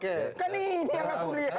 kan ini yang aku lihat